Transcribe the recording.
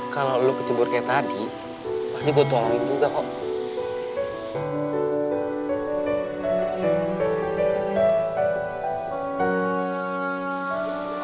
kalau lo kecebur kayak tadi pasti gue tuangin juga kok